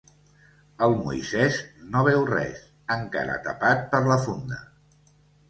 El Moisès no veu res, encara tapat per la funda.